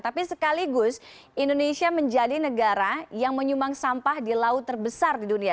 tapi sekaligus indonesia menjadi negara yang menyumbang sampah di laut terbesar di dunia